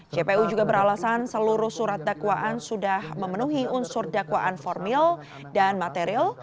jpu juga beralasan seluruh surat dakwaan sudah memenuhi unsur dakwaan formil dan material